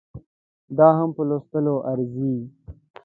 دا هم په لوستلو ارزي